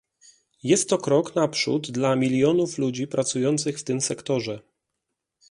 Jest to krok naprzód dla milionów ludzi pracujących w tym sektorze